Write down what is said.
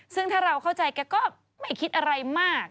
ซึ่งถ้าเราเข้าใจแกก็ไม่คิดอะไรมาก